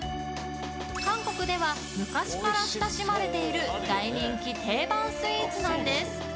韓国では昔から親しまれている大人気定番スイーツなんです。